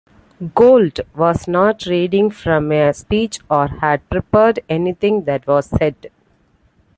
Gould was not reading from a speech or had prepared anything that was said.